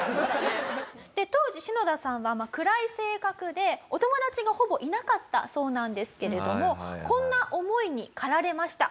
当時シノダさんは暗い性格でお友達がほぼいなかったそうなんですけれどもこんな思いに駆られました。